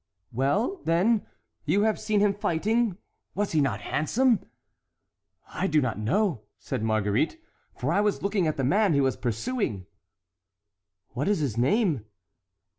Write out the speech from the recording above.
"Well, then, you have seen him fighting; was he not handsome?" "I do not know," said Marguerite, "for I was looking at the man he was pursuing." "What is his name?"